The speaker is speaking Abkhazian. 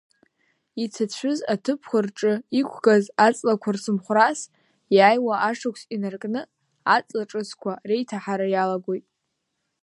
Иҭацәыз аҭыԥқәа рҿы иқәгаз аҵлақәа рцымхәрас, иааиуа ашықәс инаркны, аҵла ҿыцқәа реиҭаҳара иалагоит.